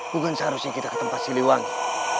bukan seharusnya kita ke tempat siliwangi